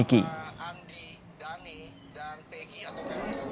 andi dhani dan peggy atau